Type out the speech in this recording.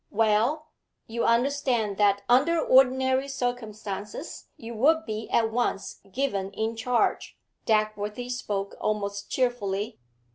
'Well, you understand that under ordinary circumstances you would be at once given in charge.' Dagworthy spoke almost cheerfully.